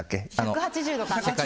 １８０度かな。